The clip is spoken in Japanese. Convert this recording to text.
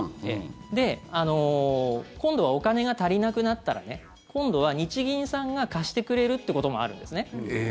で、今度はお金が足りなくなったら今度は日銀さんが貸してくれるってこともあるんですね。